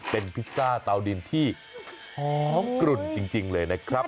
เป็นพิซซ่าเตาดินที่หอมกลุ่นจริงเลยนะครับ